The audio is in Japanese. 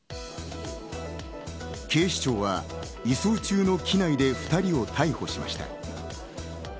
警視庁は移送中の機内で２人を逮捕しました。